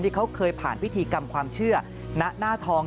ที่เขาเคยผ่านพิธีกรรมความเชื่อณหน้าทอง